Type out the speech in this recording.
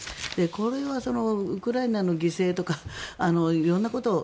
これはウクライナの犠牲とか色んなことを。